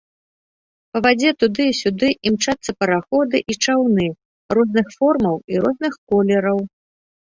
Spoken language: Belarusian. Па вадзе туды і сюды імчацца параходы і чаўны розных формаў і розных колераў.